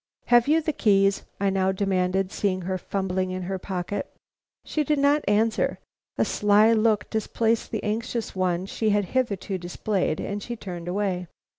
"Have you the keys?" I now demanded, seeing her fumbling in her pocket. She did not answer; a sly look displaced the anxious one she had hitherto displayed, and she turned away.